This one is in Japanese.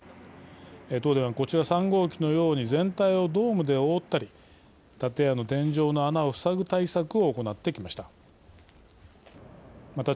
東電は、こちら３号機のように全体をドームで覆ったり建屋の天井の穴を塞ぐ対策を行ってきました。